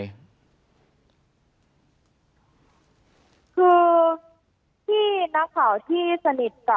น้องขอที่สนิทควร